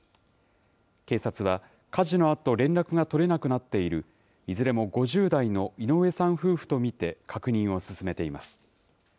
警察は、火事のあと連絡が取れなくなっている、いずれも５０代の井上さん夫婦と見て、確認を進めています。